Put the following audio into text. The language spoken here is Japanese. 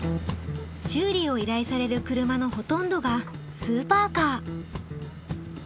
修理を依頼される車のほとんどがスーパーカー。